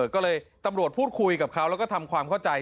ก็เลยตำรวจพูดคุยกับเขาแล้วก็ทำความเข้าใจ